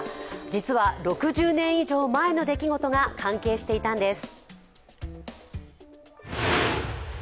実は６０年以上前の出来事が関係していたんです。